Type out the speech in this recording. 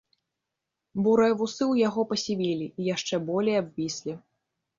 Бурыя вусы ў яго пасівелі і яшчэ болей абвіслі.